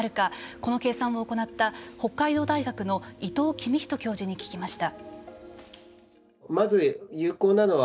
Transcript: この計算を行った北海道大学の伊藤公人教授に聞きました。